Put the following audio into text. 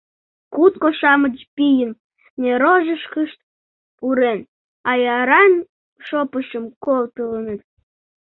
Кутко-шамыч пийын неррожышкышт пурен, аяран шопышым колтылыныт.